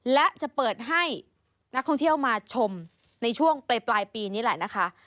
และจะเปิดให้นักท่องเที่ยวมาชมในช่วงปลายปีนี้แหละนะคะ